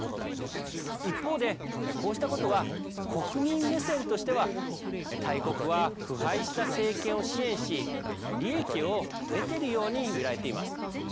一方で、こうしたことは国民目線としては大国は腐敗した政権を支援し利益を得ているように見られています。